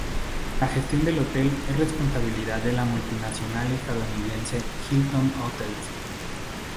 La gestión del hotel es responsabilidad de la multinacional estadounidense Hilton Hotels.